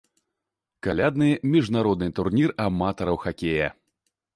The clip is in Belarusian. Калядны міжнародны турнір аматараў хакея.